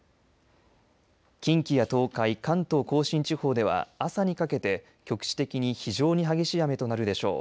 近畿や東海、関東甲信地方では朝にかけて局地的に非常に激しい雨となるでしょう。